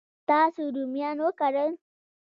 تاسو رومیان وکرل؟